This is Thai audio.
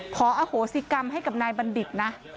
ขออโหสิกรรมให้กับนายบัณฑิตนะ